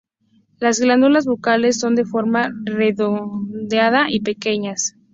Las glándulas bucales son de forma redondeada y pequeñas.